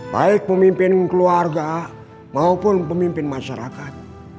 baik pemimpin keluarga maupun pemimpin masyarakat